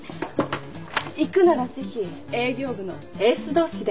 行くならぜひ営業部のエース同士で